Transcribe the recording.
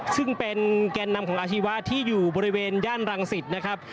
ซึ่งเป็นแกนนำของอาชีวะที่อยู่บริเวณย่านรังสิตนะครับ